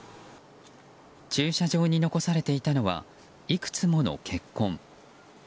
駐車場に残されていたのはいくつもの血痕。